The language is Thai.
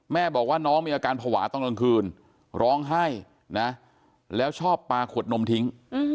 แม่บอกว่าน้องมีอาการภาวะตอนกลางคืนร้องไห้นะแล้วชอบปลาขวดนมทิ้ง